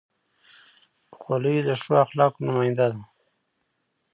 خولۍ د ښو اخلاقو نماینده ده.